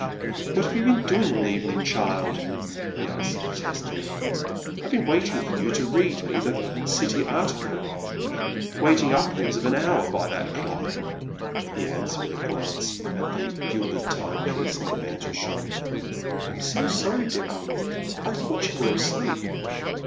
"What have you been doing all the evening, child ?" he asks testily.^ " I've been waiting for you to read me the City article — waiting upwards of an hour by that clock," he adds, with a glance at the gilded timepiece on the mantel shelf. " I'm so sorry, dear uncle. I thought you were asleep."